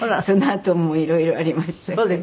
そのあともいろいろありましたから。